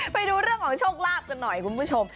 ไปดูเรื่องของโชคลาภกันหน่อยคุณผู้ชม